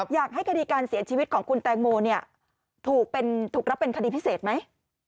อยากให้คดีการเสียชีวิตของคุณแตงโมถูกรับเป็นคดีพิเศษไหม